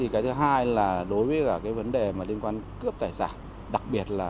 cái thứ hai là đối với vấn đề liên quan đến cướp tài sản đặc biệt